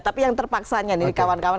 tapi yang terpaksanya nih kawan kawan